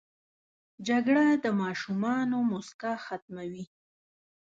جګړه د ماشومانو موسکا ختموي